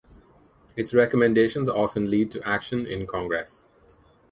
Its recommendations often lead to action in Congress.